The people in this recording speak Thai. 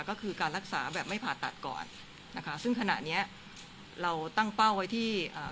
ก็คือการรักษาแบบไม่ผ่าตัดก่อนนะคะซึ่งขณะเนี้ยเราตั้งเป้าไว้ที่อ่า